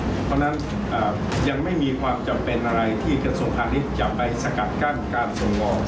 เพราะฉะนั้นยังไม่มีความจำเป็นอะไรที่สมพันธ์นี้จะไปสกัดกั้นการส่งออก